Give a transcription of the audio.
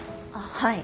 はい。